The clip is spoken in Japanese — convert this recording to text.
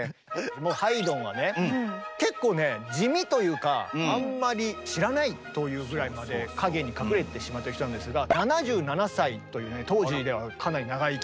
もうハイドンはね結構ね地味というかあんまり知らないというぐらいまで陰に隠れてしまってる人なんですが７７歳というね当時ではかなり長生き。